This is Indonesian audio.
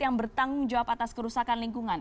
yang bertanggung jawab atas kerusakan lingkungan